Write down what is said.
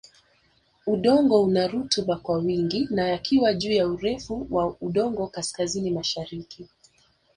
Udongo una Rutuba kwa wingi na yakiwa juu ya urefu wa udongo kaskazini mashariki